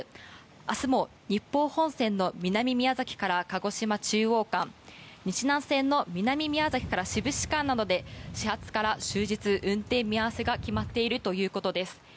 明日も日豊本線の南宮崎から鹿児島中央間などで始発から終日運転見合わせが決まっているということです。